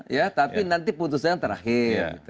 ya tapi nanti putusannya terakhir